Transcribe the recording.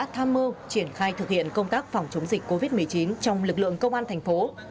tham mưu triển khai thực hiện công tác phòng chống dịch covid một mươi chín trong lực lượng công an thành phố